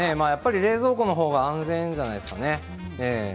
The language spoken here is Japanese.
冷蔵庫のほうが安全ではないでしょうかね。